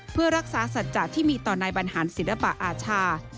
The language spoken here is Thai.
เพื่อรักษาสัจจะที่มีต่อนายบรรหารศิลปะอาชา